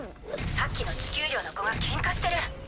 さっきの地球寮の子がケンカしてる。